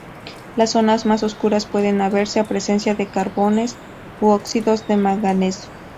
Las zonas más oscuras pueden deberse a presencia de carbones u óxidos de manganeso.